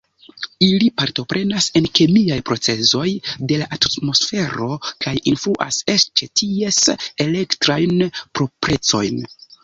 Ili partoprenas en kemiaj procezoj de la atmosfero kaj influas eĉ ties elektrajn proprecojn.